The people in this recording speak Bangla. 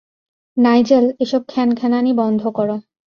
নাইজেল, এসব খানখ্যানানি বন্ধ কর।